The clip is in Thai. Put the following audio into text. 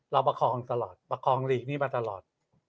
ประคองตลอดประคองลีกนี้มาตลอด